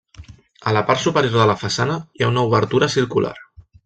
A la part superior de la façana hi ha una obertura circular.